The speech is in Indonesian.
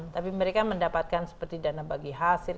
tapi mereka mendapatkan seperti dana bagi hasil